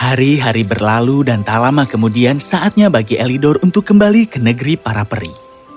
hari hari berlalu dan tak lama kemudian saatnya bagi elidor untuk kembali ke negeri para peri